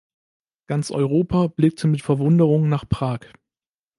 Ganz Europa blickte mit Verwunderung nach Prag.